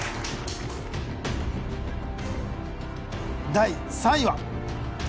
第３位は？